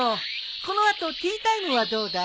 この後ティータイムはどうだい？